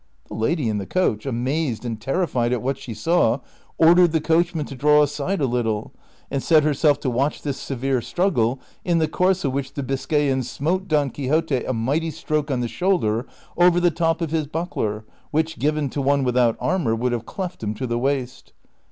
The lady in the coach, amazed and terrified at what she saw, ordered the coachman to draw aside a little, and set herself to watch this severe struggle, in the course of which the Biscayan smote Don Quixote a mighty stroke on the shoulder over the top of his buckler, which, given to one without armor, would have cleft him to the waist.